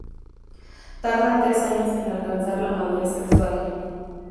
Tardan tres años en alcanzar la madurez sexual.